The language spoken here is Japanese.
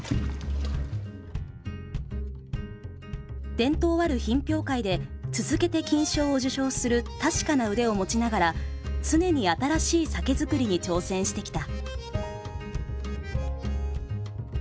伝統ある品評会で続けて金賞を受賞する確かな腕を持ちながら常に新しい酒造りに挑戦してきた。